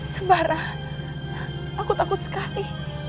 sembara aku takut sekali